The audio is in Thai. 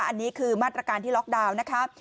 อันนี้คือมาตรการที่ล็อกดาวน์นะคะ